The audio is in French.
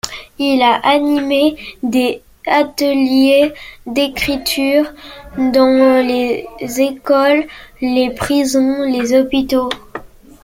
Il a animé des ateliers d'écriture dans les écoles, les prisons, les hôpitaux.